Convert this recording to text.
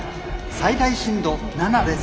最大震度７です。